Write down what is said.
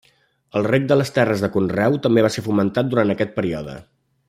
El reg de les terres de conreu també va ser fomentat durant aquest període.